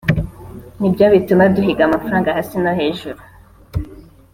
nibyo bituma duhiga amafaranga hasi no hejuru